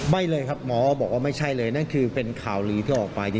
ไม่เลยครับหมอบอกว่าไม่ใช่เลยนั่นคือเป็นข่าวลือที่ออกมา